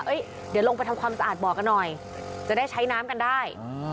เดี๋ยวลงไปทำความสะอาดบอกกันหน่อยจะได้ใช้น้ำกันได้